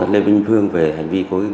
lê minh phương về hành vi khối tích